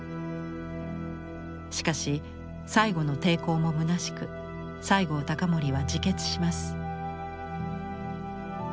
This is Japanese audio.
しかし最後の抵抗もむなしく西郷隆盛は自決します。